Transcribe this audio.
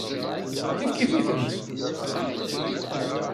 Kifkif-itent.